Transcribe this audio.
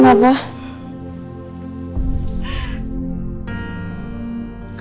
ya ampun gue